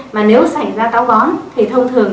mà nếu xảy ra táo bón thì thông thường